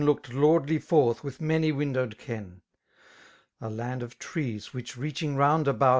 Looked lordly forth with many windowed ken; A land of trees, which reaching round about.